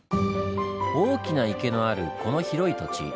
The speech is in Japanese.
大きな池のあるこの広い土地。